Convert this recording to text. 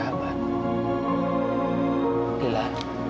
terima kasih ya